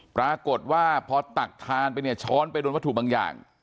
ปรากฏว่าพอตักทานไปเนี่ยช้อนไปโดนวัตถุบางอย่าง